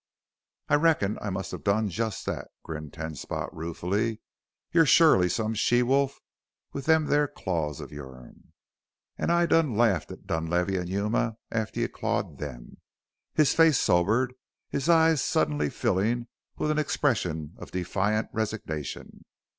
"I reckon I must have done just that," grinned Ten Spot ruefully. "You're shorely some she wolf with them there claws of your'n. An' I done laffed at Dunlavey an' Yuma after you'd clawed them." His face sobered, his eyes suddenly filling with an expression of defiant resignation.